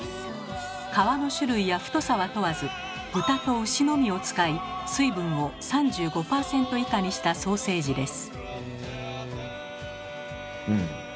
皮の種類や太さは問わず豚と牛のみを使い水分を３５％以下にしたソーセージです。